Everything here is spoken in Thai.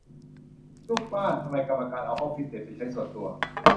ลูกบ้าน : ทำไมกรรมการเอาห้องฟิตเนสไปใช้ส่วนตัว